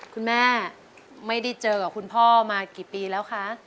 คุณแม่ไม่ได้เจอกับคุณพ่อมากี่ปีแล้วคะ